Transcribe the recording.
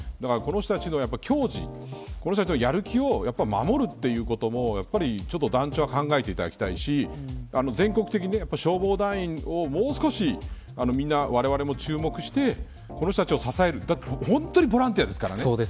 この人たちの、きょう持この人たちのやる気を守るということもちょっと団長は考えていただきたいし全国的に消防団員をもう少しみんな、われわれも注目してこの人たちを支える本当にボランティアですからね。